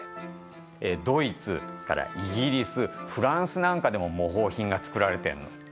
ドイツそれからイギリスフランスなんかでも模倣品が作られてるの。